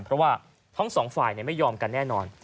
เพราะว่าทั้งสองฝ่ายไม่ยอมกันแน่นอน